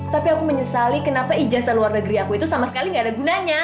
tapi aku menyesali kenapa ijazah luar negeri aku itu sama sekali gak ada gunanya